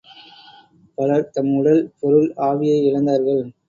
பலர் தம் உடல், பொருள், ஆவியை இழந்தார்கள்.